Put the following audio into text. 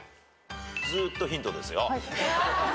ずーっとヒントですよ。